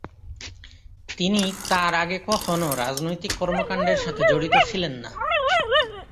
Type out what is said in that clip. তিনি তার আগে কখনও রাজনৈতিক কর্মকাণ্ডের সাথে জড়িত ছিলেন না।